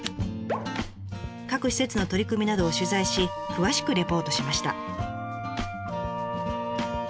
各施設の取り組みなどを取材し詳しくリポートしました。